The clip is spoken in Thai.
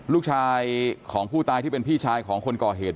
ลูกชายของผู้ตายที่เป็นพี่ชายของคนก่อเหตุ